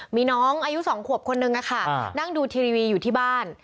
มีน้องอายุ๒ขวบคนนึงนั่งดูทีวีอยู่ที่บ้าน